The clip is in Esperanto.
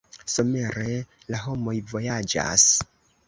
Somere la homoj vojaĝas.